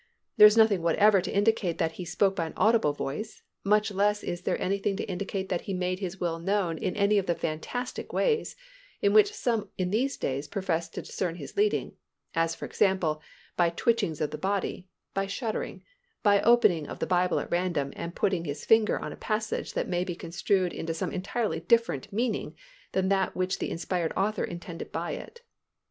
There is nothing whatever to indicate that He spoke by an audible voice, much less is there anything to indicate that He made His will known in any of the fantastic ways in which some in these days profess to discern His leading—as for example, by twitchings of the body, by shuddering, by opening of the Bible at random and putting his finger on a passage that may be construed into some entirely different meaning than that which the inspired author intended by it.